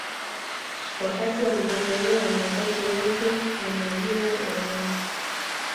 Wakati wa kutembelea ni wakati wowote wa majira ya mwaka